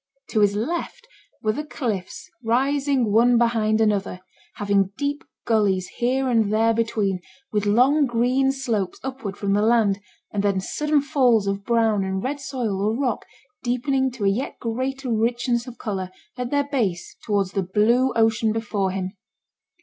To his left were the cliffs rising one behind another, having deep gullies here and there between, with long green slopes upward from the land, and then sudden falls of brown and red soil or rock deepening to a yet greater richness of colour at their base towards the blue ocean before him.